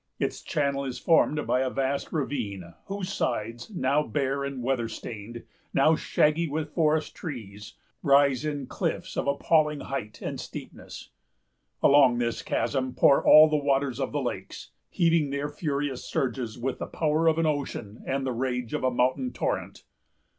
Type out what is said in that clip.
Its channel is formed by a vast ravine, whose sides, now bare and weather stained, now shaggy with forest trees, rise in cliffs of appalling height and steepness. Along this chasm pour all the waters of the lakes, heaving their furious surges with the power of an ocean and the rage of a mountain torrent.